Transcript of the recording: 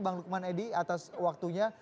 bang lukman edi atas waktunya